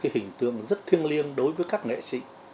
hình tượng rất thiêng liêng đối với các nghệ sĩ